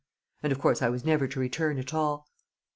And of course I was never to return at all.